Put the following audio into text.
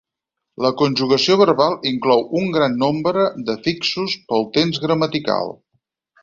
La conjugació verbal inclou un gran nombre d'afixos pel temps gramatical.